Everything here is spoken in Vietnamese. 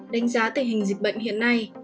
đánh giá tình hình dịch bệnh hiện nay